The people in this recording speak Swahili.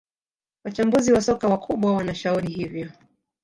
wachambuzi wa soka wakubwa wanashauri hivyo